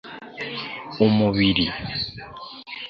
umubiri